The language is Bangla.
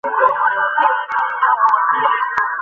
দেখ না, আমার গুরু আমার ভূত-ভবিষ্যৎ বলে দিয়েছিলেন।